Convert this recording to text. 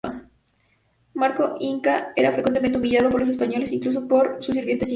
Manco Inca era frecuentemente humillado por los españoles e incluso por sus sirvientes incas.